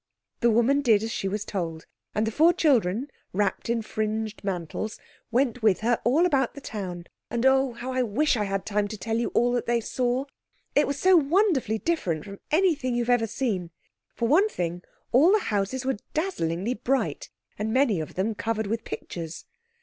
The woman did as she was told, and the four children, wrapped in fringed mantles, went with her all about the town, and oh! how I wish I had time to tell you all that they saw. It was all so wonderfully different from anything you have ever seen. For one thing, all the houses were dazzlingly bright, and many of them covered with pictures.